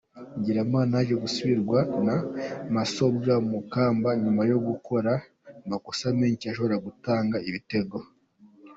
Ngirimana yaje gusimburwa na Namasobwa Mukamba nyuma yo gukora amakosa menshi yashoboraga gutanga ibitego.